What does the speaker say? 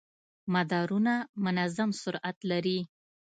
مدارونه منظم سرعت لري.